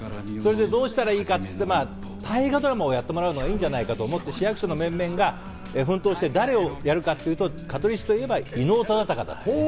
どうしたらいいかといって、大河ドラマをやってもらうのがいいんじゃないかといって、市役所の面々が奮闘して誰をやるかっていうと、香取市といえば伊能忠敬だと。